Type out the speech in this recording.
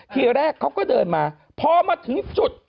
ทีแรกเขาก็เดินมาพอมาถึงจุด